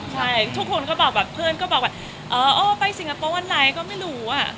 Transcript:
ใช่ทุกคนก็บอกแบบเพื่อนก็บอกว่าอ๋อไปสิงคโปร์วันไหนก็ไม่รู้อ่ะ